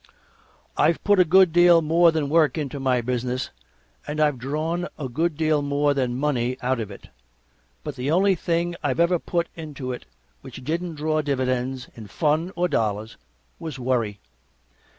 I've put a good deal more than work into my business, and I've drawn a good deal more than money out of it; but the only thing I've ever put into it which didn't draw dividends in fun or dollars was worry.